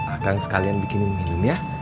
akang sekalian bikin minum ya